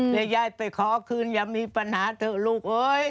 เดี๋ยวยายไปขอคืนอย่ามีปัญหาเถอะลูก